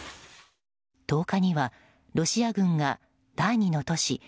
１０日にはロシア軍が第２の都市